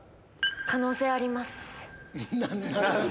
可能性あります。